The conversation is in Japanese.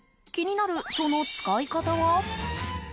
気になる、その使い方は？